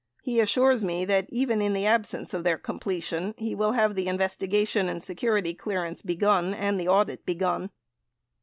He assures me that even in the absence of their completion, he will have the investigation and se curity clearance begun and the audit begun.